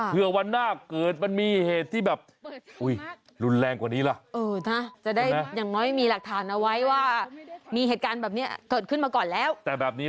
เผื่อวันหน้าเกิดมันมีเหตุที่แบบ